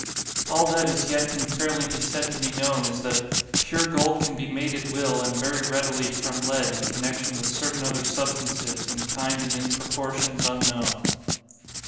All that as yet can fairly be said to be known is, that 'Pure gold can be made at will, and very readily from lead in connection with certain other substances, in kind and in proportions, unknown.